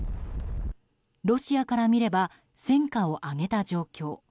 ロシアから見れば戦果を挙げた状況。